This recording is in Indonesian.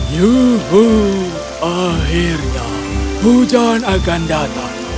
yuhuu akhirnya hujan akan datang